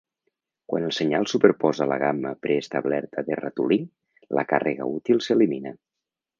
Quan el senyal superposa la gamma preestablerta de "ratolí", la càrrega útil s'elimina.